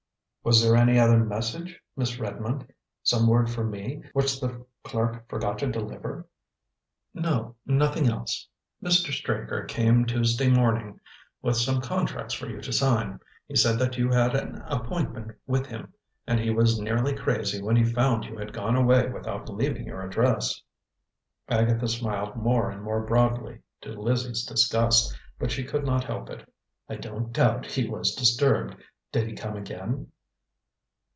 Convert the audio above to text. "Was there any other message, Miss Redmond? Some word for me, which the clerk forgot to deliver?" "No, nothing else." "Mr. Straker came Tuesday morning with some contracts for you to sign. He said that you had an appointment with him, and he was nearly crazy when he found you had gone away without leaving your address." Agatha smiled more and more broadly, to Lizzie's disgust, but she could not help it. "I don't doubt he was disturbed. Did he come again?"